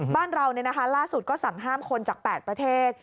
บ้านเราล่าสุดก็สั่งห้ามคนจาก๘ประเทศ